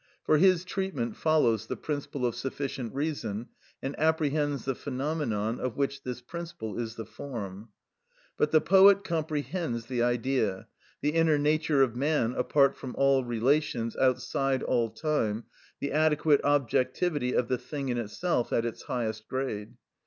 For his treatment follows the principle of sufficient reason, and apprehends the phenomenon, of which this principle is the form. But the poet comprehends the Idea, the inner nature of man apart from all relations, outside all time, the adequate objectivity of the thing in itself, at its highest grade.